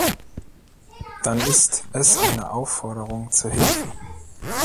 Dann ist es eine Aufforderung zur Hilfe.